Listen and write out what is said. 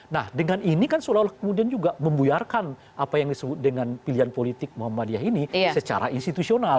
nah dengan ini kan seolah olah kemudian juga membuyarkan apa yang disebut dengan pilihan politik muhammadiyah ini secara institusional